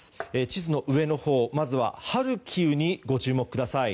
地図の上のほうまずはハルキウにご注目ください。